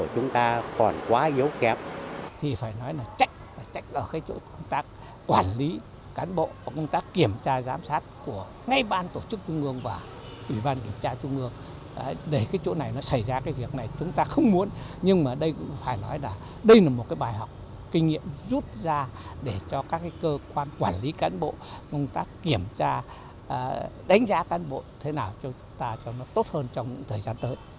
cảnh bộ công tác kiểm tra đánh giá cán bộ thế nào cho chúng ta tốt hơn trong thời gian tới